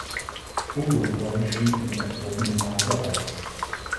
Uruguay schied in der Gruppenphase aus.